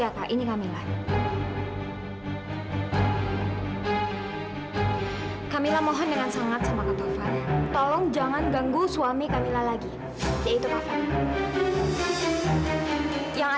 sampai jumpa di video selanjutnya